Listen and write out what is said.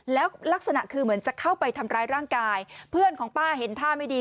แล้วลักษณะคือเหมือนจะเข้าไปทำร้ายร่างกายเพื่อนของป้าเห็นท่าไม่ดี